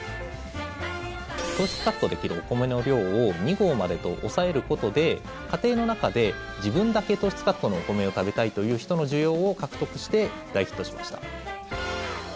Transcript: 糖質カットできるお米の量を２合までと抑えることで家庭の中で自分だけ糖質カットのお米を食べたいという人の需要を獲得して大ヒットしました。